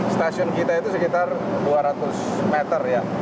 stasiun kita itu sekitar dua ratus meter ya